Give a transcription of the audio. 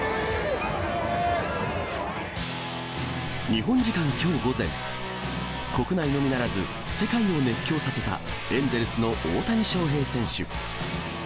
日本時間きょう午前、国内のみならず、世界を熱狂させたエンゼルスの大谷翔平選手。